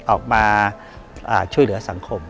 ออกมาช่วยเหลือสังคม